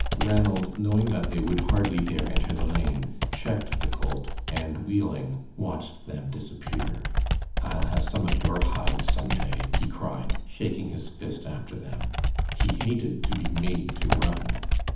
Ranald, knowing that they would hardly dare enter the lane, checked the colt, and wheeling, watched them disappear. "I'll have some of your hides some day," he cried, shaking his fist after them. He hated to be made to run.